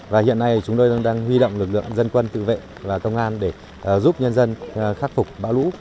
và hiện nay chúng tôi đang huy động lực lượng dân quân tự vệ và công an để giúp nhân dân khắc phục bão lũ